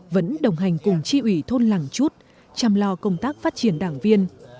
vẫn đồng hành cùng tri ủy thôn làng chút chăm lo công tác phát triển đảng viên